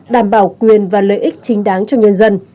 đảm bảo quyền và lợi ích chính đáng cho nhân dân